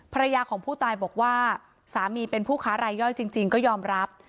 ภรรยาของผู้ตายบอกว่าสามีเป็นผู้ค้ารายย่อยจริงก็ยอมรับ